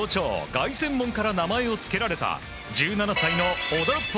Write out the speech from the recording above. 凱旋門から名前を付けられた１７歳の小田凱